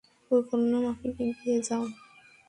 পরিকল্পনা মাফিক এগিয়ে যাও।